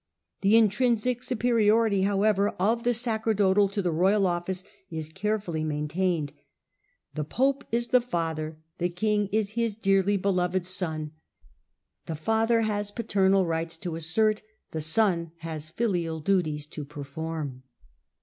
The intrinsic superiority, however, of the sacerdotal to the royal office is carefully nfain iidned. The pope is the father, the king is his clearly Digitized by VjOOQIC 6+ HlLDEBRAND beloved son : the father has paternal rights to assert . the son has filial duties to peiform.